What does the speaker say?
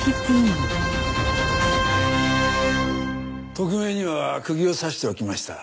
特命には釘を刺しておきました。